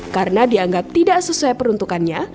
karena dianggap tidak sesuai peruntukannya